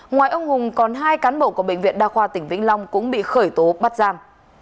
ngoài ông hùng còn hai cán bộ của bệnh viện đa khoa tỉnh vĩnh long cũng bị khởi tố bắt giam